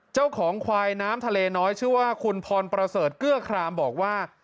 เจ้าของควายน้ำทะเลน้อยชื่อว่าคุณพรประเสริฐเกื้อครามบอกว่า